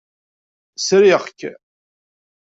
Sriɣ-k.